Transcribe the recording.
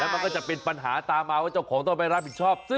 มันก็จะเป็นปัญหาตามมาว่าเจ้าของต้องไปรับผิดชอบ